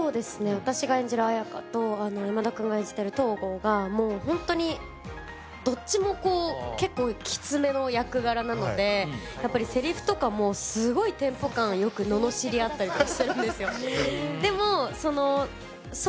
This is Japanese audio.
私が演じる綾華と山田君が演じてる東郷がもうホントにどっちもこう結構キツめの役柄なのでやっぱりセリフとかもすごいテンポ感よく罵り合ったりとかしてるんですよ